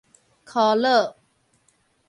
箍絡